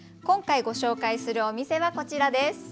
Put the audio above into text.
今回ご紹介するお店はこちらです。